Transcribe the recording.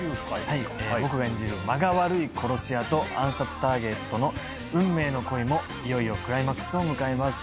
僕が演じる間が悪い殺し屋と暗殺ターゲットの運命の恋もいよいよクライマックスを迎えます。